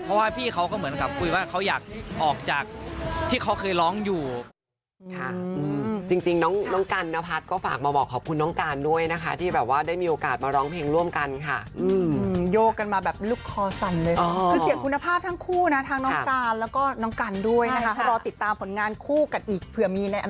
เพราะว่าพี่เขาก็เหมือนกับคุยว่าเขาอยากออกจากที่เขาเคยร้องอยู่